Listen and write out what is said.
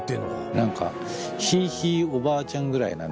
何かひいひいおばあちゃんぐらいなね